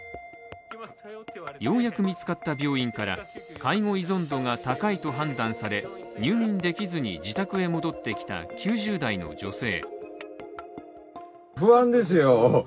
ようやく見つかった病院から介護依存度が高いと判断され入院できずに自宅へ戻ってきた９０代の女性。